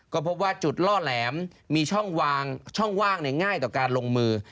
ก็พบว่าจุดล่อแหลมมีช่องว่างง่ายต่อการลงมือ